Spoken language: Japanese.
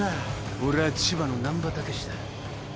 俺は千葉の難破猛だ。